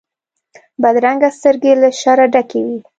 بدرنګه سترګې له شره ډکې وي